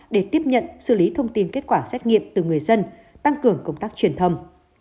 để tiếp nhận xử lý thông tin kết quả xét nghiệm từ người dân tăng cường công tác truyền thông